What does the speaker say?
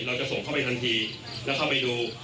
เราจะส่งเข้าไปทันทีแล้วเข้าไปดู